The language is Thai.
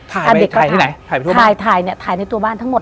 พาเด็กไปถ่ายที่ไหนถ่ายไปทั่วถ่ายถ่ายเนี้ยถ่ายในตัวบ้านทั้งหมด